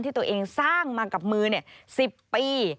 ที่ตัวเองสร้างมากับมือ๑๐ปี